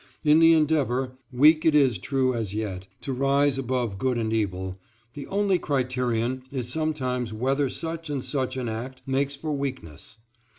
In the endeavor, weak it is true as yet, to rise above good and evil, the only criterion is sometimes whether such and such an act makes for weakness.